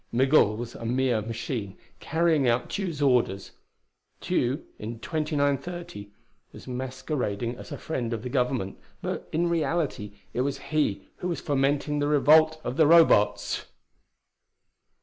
Migul was a mere machine carrying out Tugh's orders. Tugh, in 2930, was masquerading as a friend of the Government; but in reality it was he who was fomenting the revolt of the Robots.